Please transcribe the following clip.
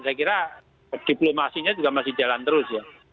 saya kira diplomasinya juga masih jalan terus ya